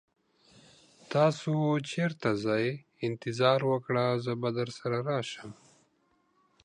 تاسو چیرته ځئ؟ انتظار وکړه، زه به درسره راشم.